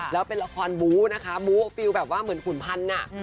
แล้วเป็นละครบู๊นะคะบู๊ฟิลแบบว่าเหมือนขุนพันธุ์